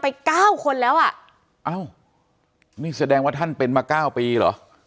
อ้าวนี่แสดงว่าท่านเป็นมา๙ปีเหรอ